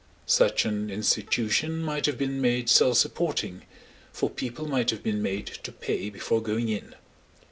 Such an institution might have been made self supporting, for people might have been made to pay before going in.